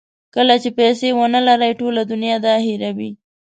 کله چې پیسې ونلرئ ټوله دنیا دا هیروي.